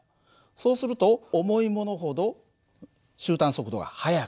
そうすると重いものほど終端速度が速くなる。